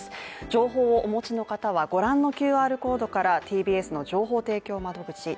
情報をお持ちの方は御覧のＱＲコードからＴＢＳの情報提供窓口